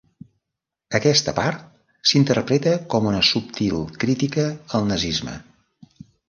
Aquesta part s'interpreta com una subtil crítica al nazisme.